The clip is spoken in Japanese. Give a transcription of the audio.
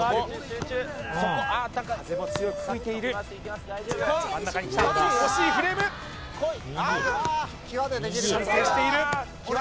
・集中風も強く吹いている真ん中に来た惜しいフレーム修正している